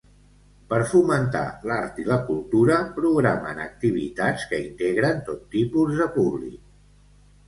Per fomentar l'art i la cultura, programen activitats que integren tot tipus de públic.